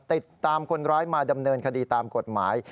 ติดตามคนร้ายมาดำเนินคดีตามกฎหมาย